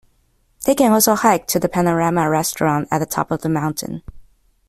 They can also hike to the panorama restaurant at the top of the mountain.